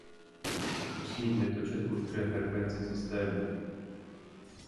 Nosný kmitočet určuje frekvenci systému.